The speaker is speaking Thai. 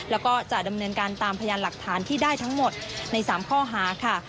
แล้วก็จะดำเนินการตามพยานหลักฐานที่ได้ทั้งหมดใน๓ข้อหาค่ะ